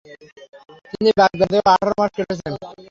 তিনি বাগদাদেও আঠারো মাস কেটেছেন।